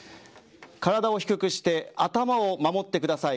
体を低くして頭を守ってください。